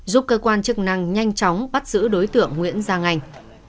giúp cơ quan chức năng nhanh chóng bắt giữ đối tượng nguyễn giang anh